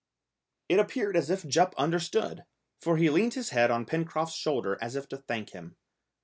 It appeared as if Jup understood, for he leant his head on Pencroft's shoulder as if to thank him.